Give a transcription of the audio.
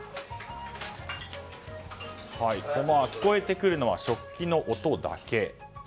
聞こえてくるのは食器の音だけ。